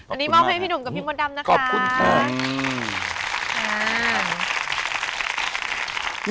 อันนี้มอบให้พี่หนุ่มกับพี่มดดำนะคะ